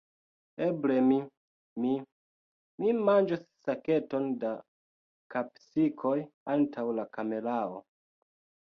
Eble mi, mi... mi manĝos saketon da kapsikoj antaŭ la kamerao.